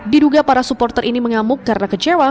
diduga para supporter ini mengamuk karena kecewa